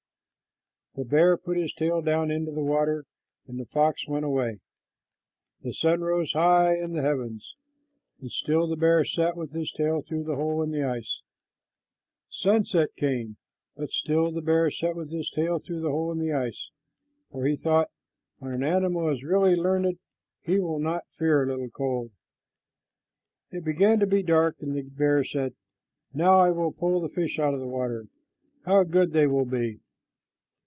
The bear put his tail down into the water, and the fox went away. The sun rose high in the heavens, and still the bear sat with his tail through the hole in the ice. Sunset came, but still the bear sat with his tail through the hole in the ice, for he thought, "When an animal is really learned, he will not fear a little cold." It began to be dark, and the bear said, "Now I will pull the fish out of the water. How good they will be!"